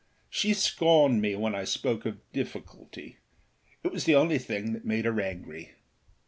She scorned me when I spoke of difficultyâit was the only thing that made her angry.